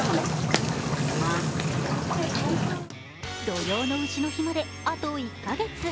土用の丑の日まであと１カ月。